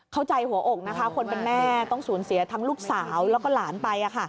หัวอกนะคะคนเป็นแม่ต้องสูญเสียทั้งลูกสาวแล้วก็หลานไป